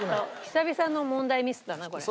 久々の問題ミスだなこれ。